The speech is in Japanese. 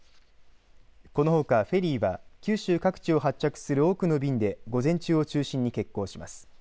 このほかフェリーは九州各地を発着する多くの便で午前中を中心に欠航します。